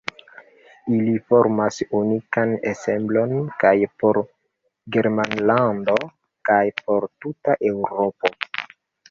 Ili formas unikan ensemblon kaj por Germanlando kaj por tuta Eŭropo.